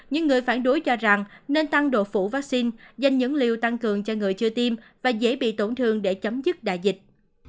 những người phản đối cho rằng nên tăng độ phủ vaccine dành những liều tăng cường cho người chưa tiêm và dễ bị tổn thương để chấm dứt đại dịch